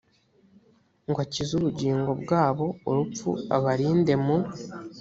ngo akize ubugingo bwabo urupfu abarinde mu